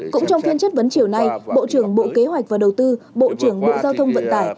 cũng trong phiên chất vấn chiều nay bộ trưởng bộ kế hoạch và đầu tư bộ trưởng bộ giao thông vận tải